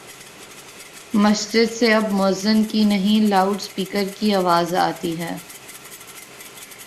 مسجد سے اب موذن کی نہیں، لاؤڈ سپیکر کی آواز آتی ہے۔